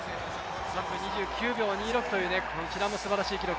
３分２９秒９６というこちらもすばらしいタイム。